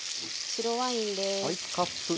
白ワインです。